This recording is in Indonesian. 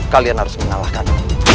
kalian harus mengalahkan